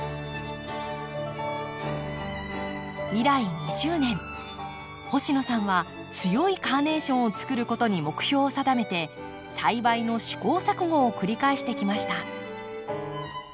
以来２０年星野さんは強いカーネーションをつくることに目標を定めて栽培の試行錯誤を繰り返してきました。